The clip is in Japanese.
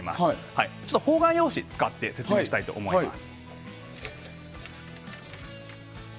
方眼用紙を使って説明したいと思います。